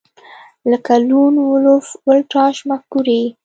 لکه لون وولف ولټاژ مفکورې